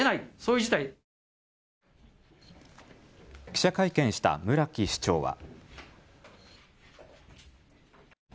記者会見した村木市長は。